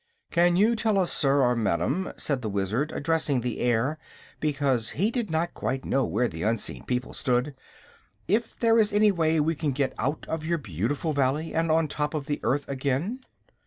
"Can you tell us, sir or ma'am," said the Wizard, addressing the air because he did not quite know where the unseen people stood, "if there is any way we can get out of your beautiful Valley, and on top of the Earth again."